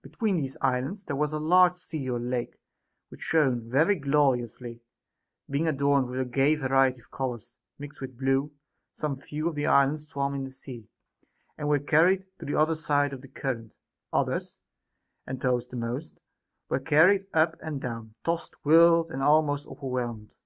Be tween these islands there was a large sea or lake which shone very gloriously, being adorned with a gay variety of colors mixed with blue ; some few of the islands swam in this sea, and were carried to the other side of the current ; others, and those the most, were carried up and down, tossed, whirled, and almost overwhelmed.